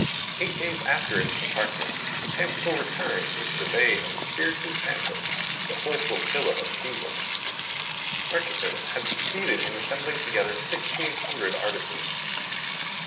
Eight days after its departure, the Tampico returned into the bay of Espiritu Santo, with a whole flotilla of steamboats. Murchison had succeeded in assembling together fifteen hundred artisans.